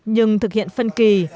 nhưng thực hiện phân kỳ